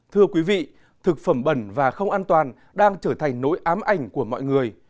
thưa quý vị thực phẩm bẩn và không an toàn đang trở thành nỗi ám ảnh của mọi người